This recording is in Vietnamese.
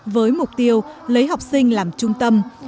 với mục tiêu lấy học sinh làm trung tâm